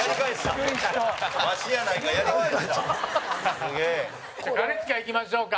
兼近、いきましょうか。